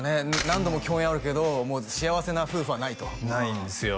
何度も共演あるけど幸せな夫婦はないとないんですよ